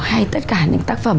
hay tất cả những tác phẩm